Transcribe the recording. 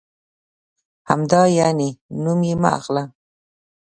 همدا یعنې؟ نوم یې مه اخله.